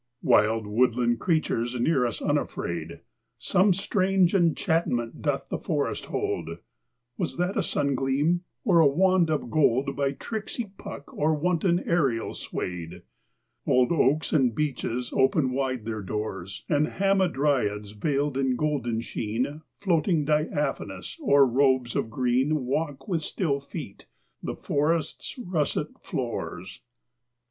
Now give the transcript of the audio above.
Wild woodland creatures near us unafraid, Some strange enchantment doth the forest hold Was that a sungleam, or a wand of gold By tricksy Puck or wanton Ariel swayed? Old oaks and beeches open wide their doors And hamadryads veiled in golden sheen Floating diaphanous o'er robes of green Walk with still feet the forest's russet floors.